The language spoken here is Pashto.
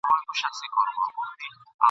بوه ورځ به دي څوک یاد کړي جهاني زخمي نظمونه ..